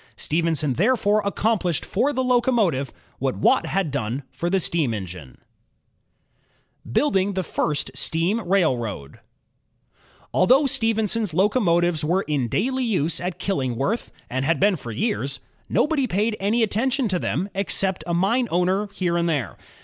Stephenson there fore accomplished for the locomotive, what Watt had done for the steam engine. george stephenson 63 Building the First Steam Railroad Although Stephenson's locomotives were in daily use at Killingworth, and had been for years, nobody paid any attention to them except a mine owner here and there.